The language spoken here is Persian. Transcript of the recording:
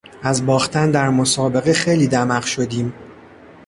از باختن در مسابقه خیلی دمق شدیم.